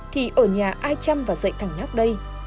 thì ở nhà ai chăm và dậy thẳng nhóc đây